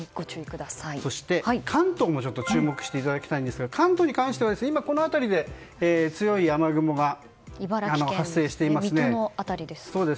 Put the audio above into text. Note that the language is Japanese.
そして、関東も注目していただきたいんですが関東に関してはこの辺りで強い雨雲が茨城県の水戸の辺りですね。